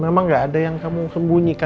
kalau memang enggak ada yang kamu sembunyikan